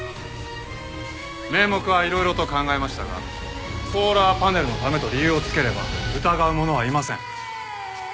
名目はいろいろと考えましたがソーラーパネルのためと理由をつければ疑う者はいません。